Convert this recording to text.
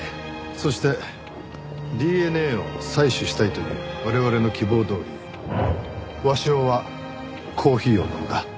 そしてＤＮＡを採取したいという我々の希望どおり鷲尾はコーヒーを飲んだ。